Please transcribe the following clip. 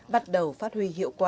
bắt đầu phát huy hiệu quả